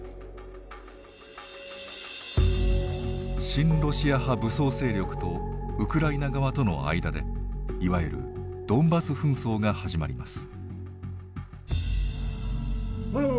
親ロシア派武装勢力とウクライナ側との間でいわゆるドンバス紛争が始まります。